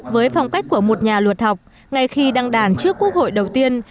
với phong cách của một nhà luật học ngay khi đăng đàn trước quốc hội đầu tiên